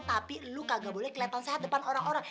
tapi lu nggak boleh kelihatan sehat depan orang orang